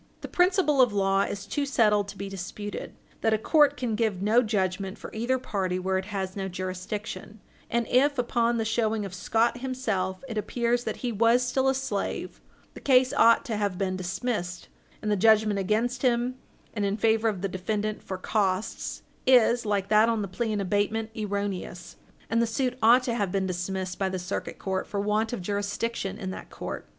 The principle of law is too well settled to be disputed that a court can give no judgment for either party where it has no jurisdiction; and if, upon the showing of Scott himself, it appeared that he was still a slave, the case ought to have been dismissed, and the judgment against him and in favor of the defendant for costs is, like that on the plea in abatement, erroneous, and the suit ought to have been dismissed by the Circuit Court for want of jurisdiction in that court.